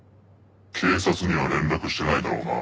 「警察には連絡してないだろうな？」